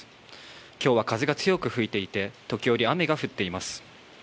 きょうは風が強く吹いていて、時折、雨が降っています。